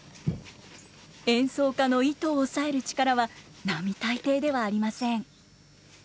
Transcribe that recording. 演奏家の糸を押さえる力は並大抵ではありません。